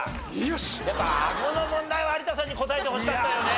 やっぱアゴの問題は有田さんに答えてほしかったよね。